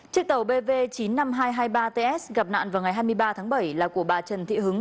chiếc tàu bv chín mươi năm nghìn hai trăm hai mươi ba ts gặp nạn vào ngày hai mươi ba tháng bảy là của bà trần thị hứng